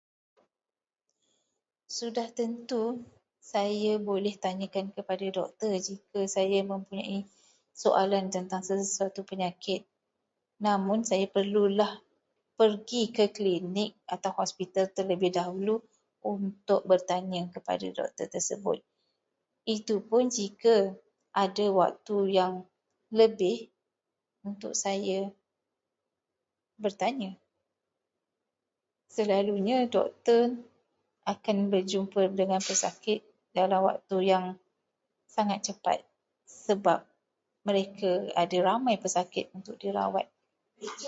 Sudah tentu saya boleh tanyakan kepada doktor jika saya mempunyai soalan tentang sesuatu penyakit. Namun, saya perlulah pergi ke klinik atau hospital terlebih dahulu untuk bertanya kepada doktor tersebut. Itu pun jika ada ada waktu yang lebih untuk saya bertanya. Selalunya, doktor akan berjumpa pesakit dalam waktu yang sangat cepat, sebab mereka ada ramai pesakit untuk dirawat.